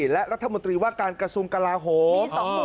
และรัฐมนตรีว่าการกระทรวงกลาโหม